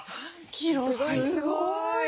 ３キロすごい。